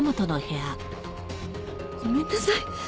ごめんなさい。